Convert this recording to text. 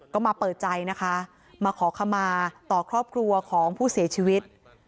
ก็มาเปิดใจนะคะมาขอขมาต่อครอบครัวของผู้เสียชีวิต